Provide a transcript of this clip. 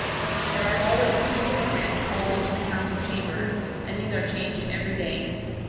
There are always two Syphogrants called into the council chamber, and these are changed every day.